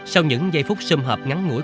sau những giây phút xâm hợp ngắn ngũi